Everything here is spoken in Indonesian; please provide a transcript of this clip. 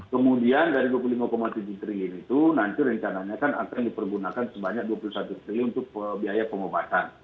kemudian dari rp dua puluh lima tujuh triliun itu nanti rencananya akan dipergunakan sebanyak dua puluh satu triliun untuk biaya pengobatan